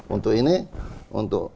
untuk ini untuk